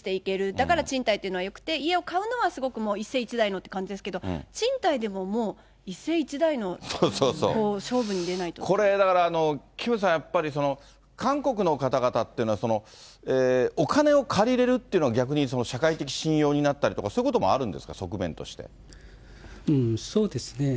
だから賃貸っていうのはよくて、家を買うのはすごく一世一代のって感じですけど、賃貸でももう、これ、だからキムさん、やっぱり韓国の方々っていうのは、お金を借りれるっていうのは、逆に社会的信用になったりとか、そういうこともあるんですか、側そうですね。